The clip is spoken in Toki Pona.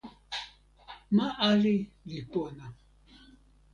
ma ali li pona.